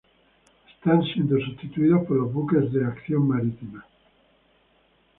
Están siendo sustituidos por los Buques de Acción Marítima.